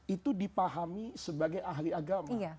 itu dipahami sebagai ahli agama